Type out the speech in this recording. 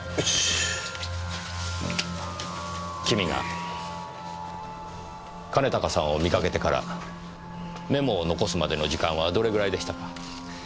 君が兼高さんを見かけてからメモを残すまでの時間はどれぐらいでしたか？